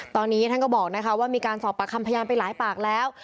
ตอนนี้ท่านก็บอกว่ามีการสอบปากคำพยานไปหลายปากแล้ว